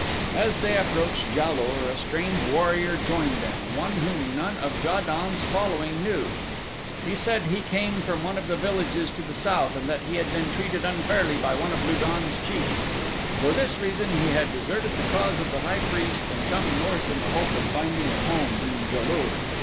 As they approached Ja lur a strange warrior joined them, one whom none of Ja don's following knew. He said he came from one of the villages to the south and that he had been treated unfairly by one of Lu don's chiefs. For this reason he had deserted the cause of the high priest and come north in the hope of finding a home in Ja lur.